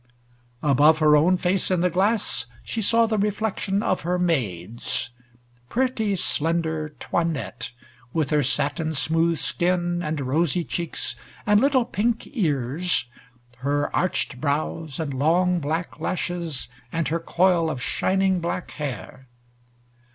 Above her own face in the glass she saw the reflection of her maid's. Pretty, slender 'Toinette, with her satin smooth skin and rosy cheeks and little pink ears, her arched brows and long black lashes and her coil of shining black hair.